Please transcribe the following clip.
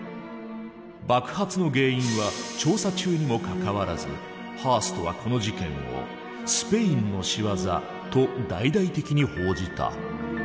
爆発の原因は調査中にもかかわらずハーストはこの事件を「スペインの仕業」と大々的に報じた。